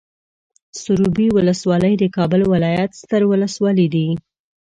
سروبي ولسوالۍ د کابل ولايت ستر ولسوالي ده.